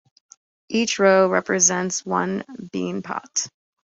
Each row represents one Beanpot.